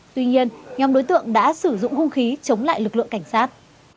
tuy nhiên nhóm đối tượng đã sử dụng hung khí chống lại lực lượng cảnh sát